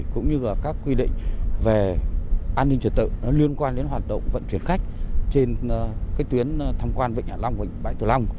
cũng như các quy định về an ninh trật tự liên quan đến hoạt động vận chuyển khách trên tuyến thăm quan vệnh hạ long vệnh bãi tử long